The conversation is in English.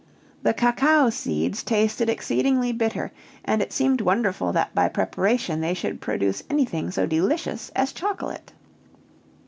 The cacao seeds tasted exceedingly bitter, and it seemed wonderful that by preparation they should produce anything so delicious as chocolate.